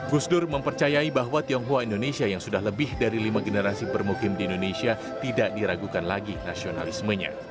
gus dur mempercayai bahwa tionghoa indonesia yang sudah lebih dari lima generasi bermukim di indonesia tidak diragukan lagi nasionalismenya